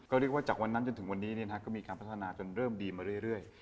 ก็เรียกว่าจากวันนั้นจนถึงวันนี้ก็มีการพัฒนาจนเริ่มดีมาเรื่อย